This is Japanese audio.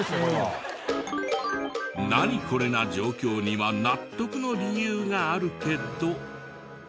「ナニコレ？」な状況には納得の理由があるけど。